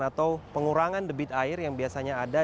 atau pengurangan debit air yang biasanya ada